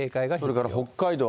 それから北海道